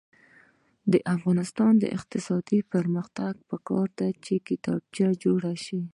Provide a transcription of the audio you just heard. د افغانستان د اقتصادي پرمختګ لپاره پکار ده چې کتابچې جوړې شي.